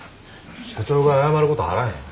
社長が謝ることあらへん。